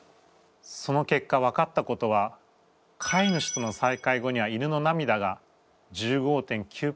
その結果分かったことは飼い主との再会後には犬の涙が１５．９％ふえたということです。